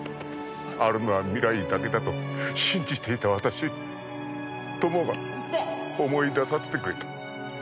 あるのは未来だけだと信じていた私に友が思い出させてくれた。